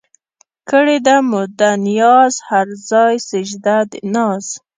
کړېده مو ده نياز هر ځای سجده د ناز